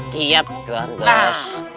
siap tuan tos